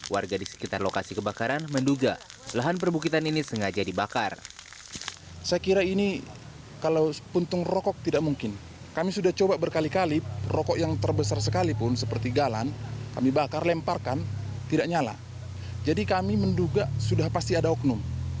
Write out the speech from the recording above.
warga di sekitar lokasi kebakaran menduga lahan perbukitan ini sengaja dibakar